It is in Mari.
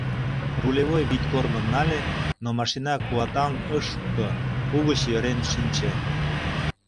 Рулевой вӱдкорным нале, но машина куатаҥ ыш шукто, угыч йӧрен шинче.